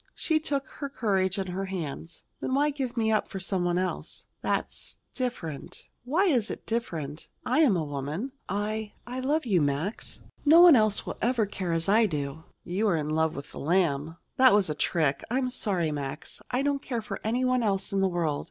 She took her courage in her hands: "Then why give me up for some one else?" "That's different." "Why is it different? I am a woman. I I love you, Max. No one else will ever care as I do." "You are in love with the Lamb!" "That was a trick. I'm sorry, Max. I don't care for anyone else in the world.